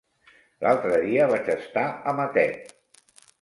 L'altre dia vaig estar a Matet.